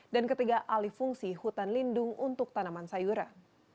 dan ketiga alih fungsi hutan lindung untuk tanaman sayuran